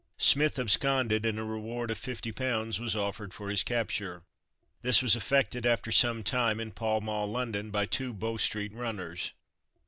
Smith absconded, and a reward of 50 pounds was offered for his capture. This was effected after some time in Pall Mall, London, by two Bow street runners.